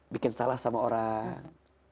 bikin salah sama orang